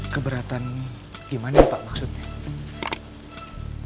keberatan gimana pak maksudnya